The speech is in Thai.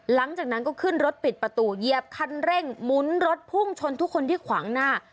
หลังจากนั้นก็ขึ้นรถปิดประตูเหยียบคันเร่งหมุนรถพุ่งชนทุกคนที่ขวางหน้า